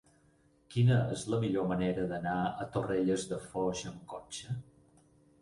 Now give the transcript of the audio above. Quina és la millor manera d'anar a Torrelles de Foix amb cotxe?